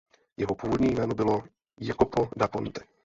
Jeho původní jméno bylo "Jacopo da Ponte".